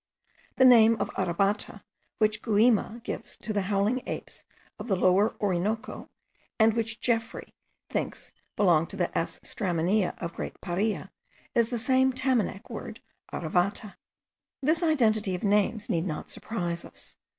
The name of arabata, which Gumilla gives to the howling apes of the Lower Orinoco, and which Geoffroy thinks belongs to the S. straminea of Great Paria, is the same Tamanac word aravata. This identity of names need not surprise us.